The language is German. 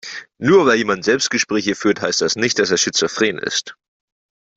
Nur weil jemand Selbstgespräche führt, heißt das nicht, dass er schizophren ist.